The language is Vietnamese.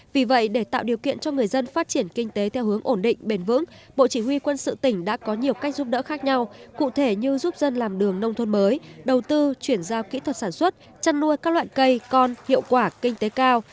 vì vậy để tạo điều kiện cho người dân phát triển kinh tế theo hướng ổn định bền vững bộ chỉ huy quân sự tỉnh đã có nhiều cách giúp đỡ khác nhau cụ thể như giúp dân làm đường nông thôn mới đầu tư chuyển giao kỹ thuật sản xuất chăn nuôi các loại cây con hiệu quả kinh tế cao